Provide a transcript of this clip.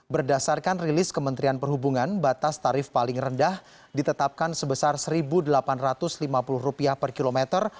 berdasarkan rilis kementerian perhubungan batas tarif paling rendah ditetapkan sebesar rp satu delapan ratus lima puluh per kilometer